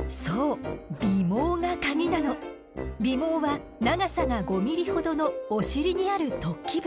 尾毛は長さが５ミリほどのお尻にある突起物。